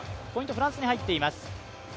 フランスに入っています。